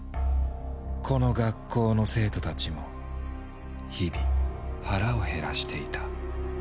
この学校の生徒たちも日々腹を減らしていた。